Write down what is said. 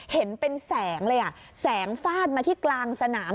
เห็นเป็นแสงเลยอ่ะแสงฟาดมาที่กลางสนาม